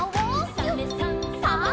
「サメさんサバさん」